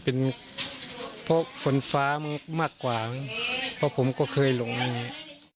เพราะฝนฟ้ามักกว่าผมก็เคยหลงนี้